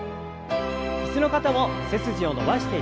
椅子の方も背筋を伸ばして上体を前に。